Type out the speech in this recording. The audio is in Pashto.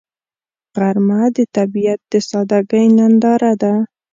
غرمه د طبیعت د سادګۍ ننداره ده